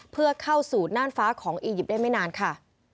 เพื่อเข้าสู่น่านฟ้าของอียิปต์ได้ไม่นานค่ะ